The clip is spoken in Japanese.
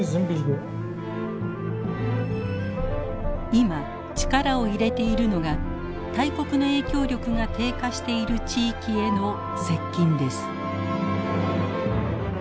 今力を入れているのが大国の影響力が低下している地域への接近です。